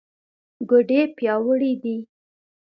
ګوډې پیاوړې دي.